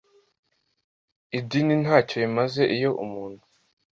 idini nta cyo bimaze Iyo umuntu